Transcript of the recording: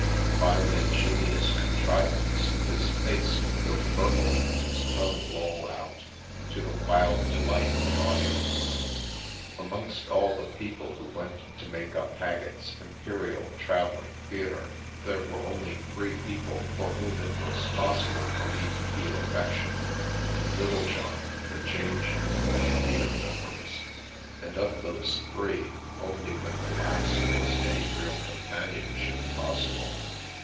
By an ingenious contrivance his face would go purple and his tongue loll out, to the wild delight of the audience. Amongst all the people who went to make up " Hag gett's Imperial Travelling Theatre " there were only three people for whom it was possible for me to feel affection — Littlejohn, the Changeling and Peter Whym peris, and of those three only with the last was any real companionship possible.